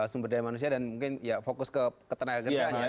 sumber daya manusia dan mungkin ya fokus ke tenaga kerjaan ya